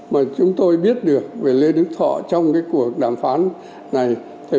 mà chúng tôi biết được về lê đức thọ trong cuộc đồng chí lê đức thọ